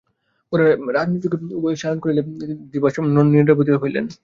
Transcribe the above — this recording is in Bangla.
পরে রজনীযোগে উভয়ে শয়ন করিলে রাজকন্যা সে দিবস ত্বরায় নিদ্রাভিভূতা হইলেন।